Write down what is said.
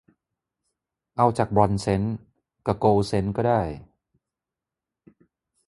เอาจากบรอนซเซนต์กะโกลด์เซนต์ก็ได้